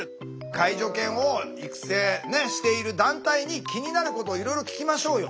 介助犬を育成している団体に気になることをいろいろ聞きましょうよ。